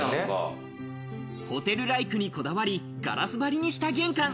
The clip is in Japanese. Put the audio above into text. ホテルライクにこだわり、ガラス張りにした玄関。